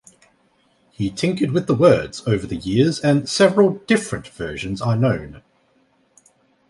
He tinkered with the words over the years and several different versions are known.